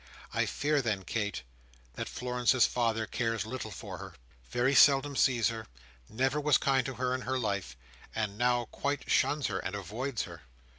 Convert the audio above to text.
I fear then, Kate, that Florence's father cares little for her, very seldom sees her, never was kind to her in her life, and now quite shuns her and avoids her.